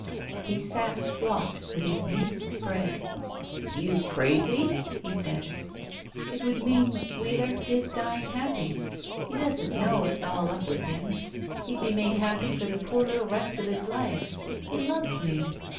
He sat squat, with his knees spread You crazy?" he said. "It would mean, Wheeler, his dying happy. He doesn't know it's all up with him. He'd be made happy for the poor little rest of his life. He loves me.